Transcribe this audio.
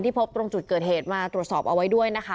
พบตรงจุดเกิดเหตุมาตรวจสอบเอาไว้ด้วยนะคะ